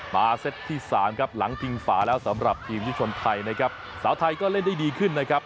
เซตที่สามครับหลังพิงฝาแล้วสำหรับทีมที่ชนไทยนะครับสาวไทยก็เล่นได้ดีขึ้นนะครับ